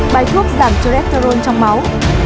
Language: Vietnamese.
bài thuốc giảm cho retron trong máu